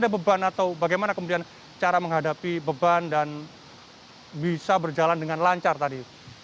beban atau bagaimana kemudian cara menghadapi beban dan bisa berjalan dengan lancar tadi